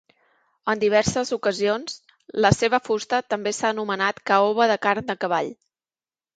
En diverses ocasions, la seva fusta també s'ha anomenat "caoba de carn de cavall".